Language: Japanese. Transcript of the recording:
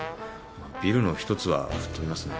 ビルのひとつはふっ飛びますね。